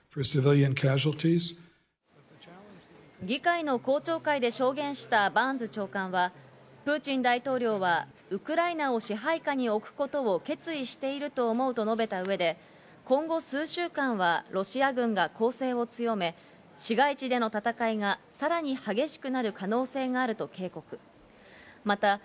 議会の公聴会で証言したバーンズ長官はプーチン大統領はウクライナを支配下に置くことを決意していると思うと述べた上で、今後、数週間はロシア軍が攻勢を強め、市街地での戦いがさらに激しくなる可能性があると警告しました。